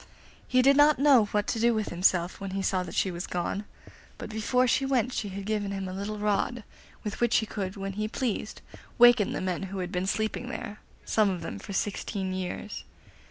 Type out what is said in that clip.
He did not know what to do with himself when he saw that she was gone, but before she went she had given him a little rod, with which he could, when he pleased, waken the men who had been sleeping there, some of them for sixteen years.